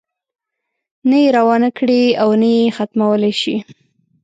نه یې روانه کړې او نه یې ختمولای شي.